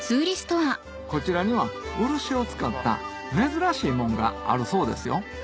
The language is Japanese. こちらには漆を使った珍しいもんがあるそうですよ